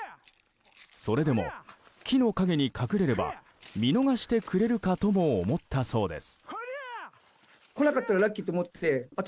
それでも、木の陰に隠れれば見逃してくれるかもとも思ったそうです。